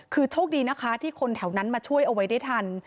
คือโชคดีนะคะที่คนแถวนั้นมาช่วยเอาไว้ได้ทัน